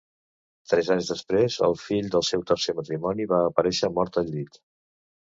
Tres anys després el fill del seu tercer matrimoni va aparèixer mort al llit.